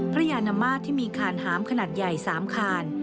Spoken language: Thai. พระยานามาที่มีขานหามขนาดใหญ่สามขาน